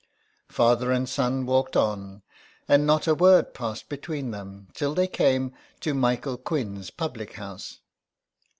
Father and son walked on, and not a word passed between them till they came to Michael Quinn's public house.